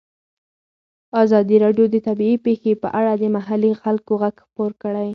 ازادي راډیو د طبیعي پېښې په اړه د محلي خلکو غږ خپور کړی.